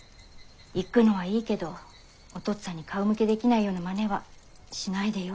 行くのはいいけどお父っつぁんに顔向けできないようなマネはしないでよ。